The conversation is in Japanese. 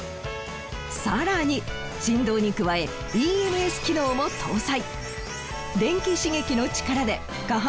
更に振動に加えＥＭＳ機能も搭載。